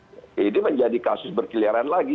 jadi menjadi kasus berkeliaran lagi